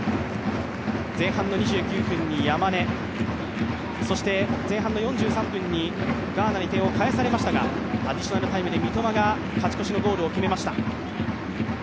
前半の２９分に山根、そして前半の４３分にガーナに点を返されましたがアディショナルタイムで三笘が勝ち越しのゴールを決めました。